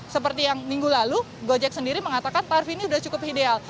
seperti yang minggu lalu gojek sendiri mengatakan tarif ini sudah cukup ideal